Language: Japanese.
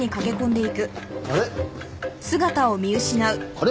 あれ？